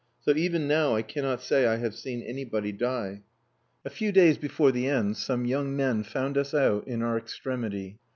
So even now I cannot say I have seen anybody die. A few days before the end, some young men found us out in our extremity.